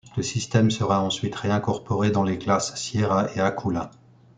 Le système sera ensuite réincorporé dans les classes Sierra et Akoula.